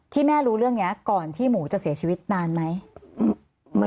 แม่รู้เรื่องนี้ก่อนที่หมูจะเสียชีวิตนานไหม